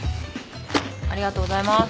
ありがとうございます。